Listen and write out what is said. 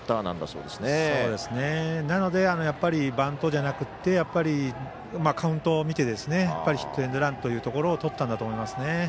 なので、やっぱりバントじゃなくてカウントを見てヒットエンドランというところをとったんだと思いますね。